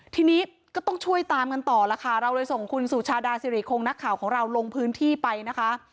ทีนี้ก็ต้องช่วยตามกันต่อล่ะค่ะเราเลยส่งคุณสุชาดาสิริคงนักข่าวของเราลงพื้นที่ไปนะคะ